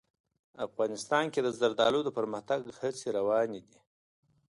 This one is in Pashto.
افغانستان کې د زردالو د پرمختګ هڅې روانې دي.